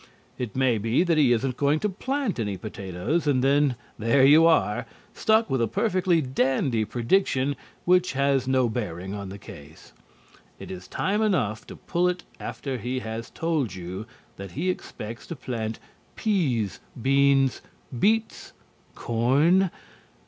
It may be that he isn't going to plant any potatoes, and then there you are, stuck with a perfectly dandy prediction which has no bearing on the case. It is time enough to pull it after he has told you that he expects to plant peas, beans, beets, corn.